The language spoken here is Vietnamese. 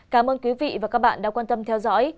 cảm ơn quý vị và các bạn đã quan tâm theo dõi